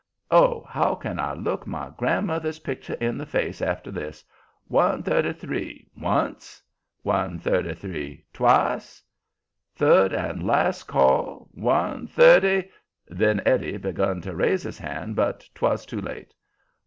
Oh, how can I look my grandmother's picture in the face after this? One thirty three once! One thirty three twice! Third and last call! One thirty " Then Eddie begun to raise his hand, but 'twas too late.